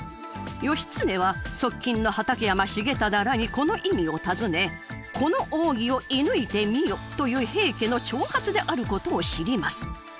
義経は側近の畠山重忠らにこの意味を尋ね「この扇を射ぬいてみよ」という平家の挑発であることを知ります。